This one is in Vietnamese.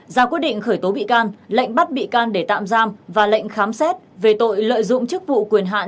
ra quyết định khởi tố bị can lệnh bắt bị can để tạm giam và lệnh khám xét về tội lợi dụng chức vụ quyền hạn